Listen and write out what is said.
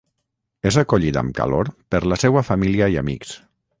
És acollit amb calor per la seua família i amics.